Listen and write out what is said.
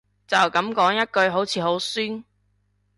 就噉講一句好似好酸